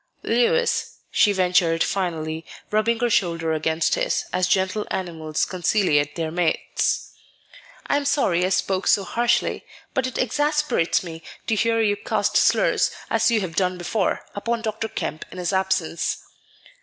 "Louis," she ventured finally, rubbing her shoulder against his, as gentle animals conciliate their mates, "I am sorry I spoke so harshly; but it exasperates me to hear you cast slurs, as you have done before, upon Dr. Kemp in his absence."